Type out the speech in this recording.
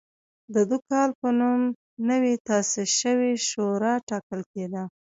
د دوکال په نوم نوې تاسیس شوې شورا ټاکل کېده.